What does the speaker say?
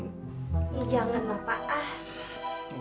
ya jangan lah pak